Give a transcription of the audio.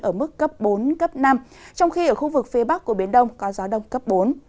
ở mức cấp bốn cấp năm trong khi ở khu vực phía bắc của biển đông có gió đông cấp bốn